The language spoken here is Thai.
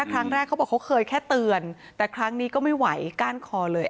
ครั้งแรกเขาบอกเขาเคยแค่เตือนแต่ครั้งนี้ก็ไม่ไหวก้านคอเลย